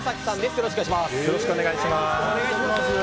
よろしくお願いします。